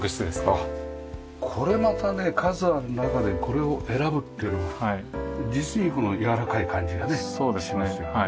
あっこれまたね数ある中でこれを選ぶっていうのは実にこのやわらかい感じがねしますよね。